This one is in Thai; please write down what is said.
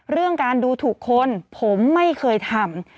เรื่องการดูถูกคนผมไม่เคยทำ